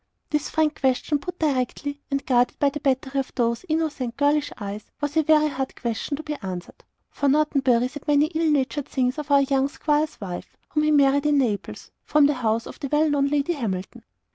This frank question, put directly, and guarded by the battery of those innocent, girlish eyes, was a very hard question to be answered; for Norton Bury had said many ill natured things of our young 'squire's wife, whom he married at Naples, from the house of the well known Lady Hamilton.